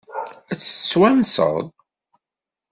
Ad tt-twanseḍ?